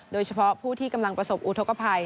โดยเฉพาะผู้ที่กำลังประสบอุทธกภัย